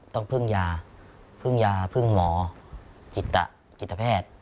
ต้องพึ่งยาพึ่งยาพึ่งหมอจิตแพทย์